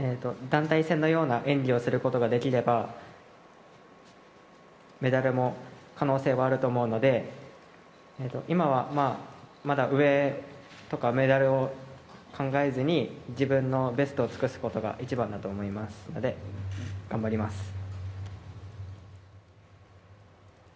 団体戦のような演技をすることができれば、メダルも可能性もあると思うので、今はまあ、まだ上とかメダルを考えずに、自分のベストを尽くすことが一番だと思いますので、頑張ります。